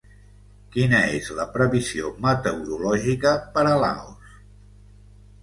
Quina és la previsió meteorològica per a Laos